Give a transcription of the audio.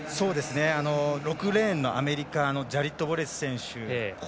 ６レーンのアメリカのジャリド・ウォレス選手。